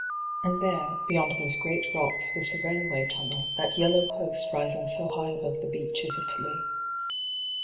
' And there, beyond those great rooks with the railway tunnel, that yellow coast rising so high above the beach is Italy.'